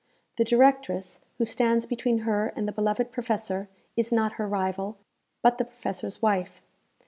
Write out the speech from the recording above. The Directress, who stands between her and the beloved Professor, is not her rival, but the Professor's wife.